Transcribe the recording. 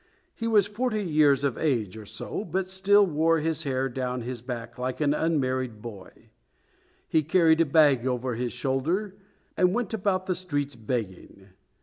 He was forty years of age or so, but still wore his hair down his back like an unmarried boy. He carried a bag over his shoulder, and went about the streets begging.